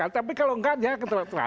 tapi kalau nggak ya keterlaluan